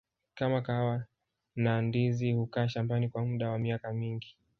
kama kahawa na ndizi hukaa shambani kwa muda wa miaka mingi